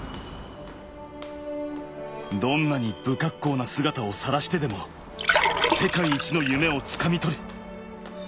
どんなに不格好な姿をさらしてでも世界一の夢をつかみ取る。